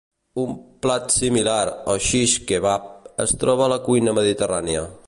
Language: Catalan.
Un plat similar, el xix kebab, es troba a la cuina mediterrània.